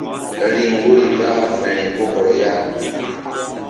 Riŋ woyri ɓa vbi̧ri ko hɔrɔ ya.